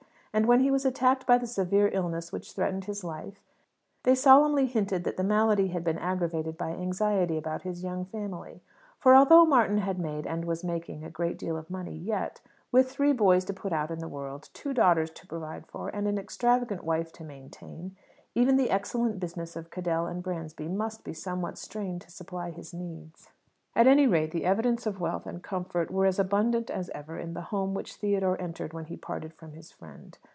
And when he was attacked by the severe illness which threatened his life, they solemnly hinted that the malady had been aggravated by anxiety about his young family; for although Martin had made, and was making, a great deal of money, yet, with three boys to put out in the world, two daughters to provide for, and an extravagant wife to maintain, even the excellent business of Cadell and Bransby must be somewhat strained to supply his needs. At any rate, the evidences of wealth and comfort were as abundant as ever in the home which Theodore entered when he parted from his friend.